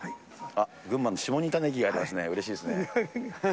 群馬の下仁田ネギがありますね、うれしいですね。